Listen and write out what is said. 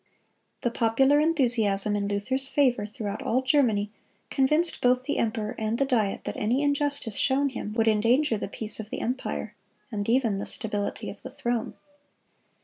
(230) The popular enthusiasm in Luther's favor throughout all Germany convinced both the emperor and the Diet that any injustice shown him would endanger the peace of the empire, and even the stability of the throne.